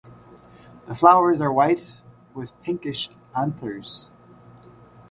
The flowers are white with pinkish anthers.